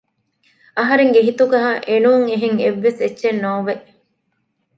އަހަރެންގެ ހިތުގައި އެނޫން އެހެން އެއްވެސް އެއްޗެއް ނޯވެ